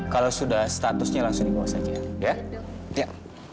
kalau sudah statusnya langsung di bawah saja